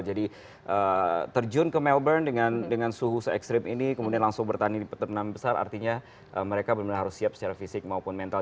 jadi terjun ke melbourne dengan suhu se extreme ini kemudian langsung bertanding di pertandingan besar artinya mereka benar benar harus siap secara fisik maupun mental